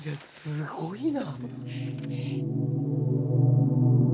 すごいな。